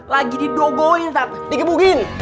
lagi didogoin tat dikebukin